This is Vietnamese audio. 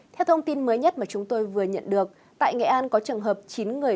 theo thông tin mới nhất mà chúng tôi vừa nhận được tại nghệ an có trường hợp chín người